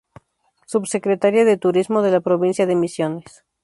Subsecretaria de Turismo de la Provincia de Misiones